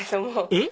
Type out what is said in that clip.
えっ？